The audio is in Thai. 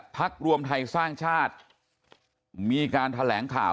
พักรวมไทยสร้างชาติมีการแถลงข่าว